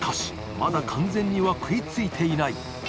まだ完全には食いついていない磴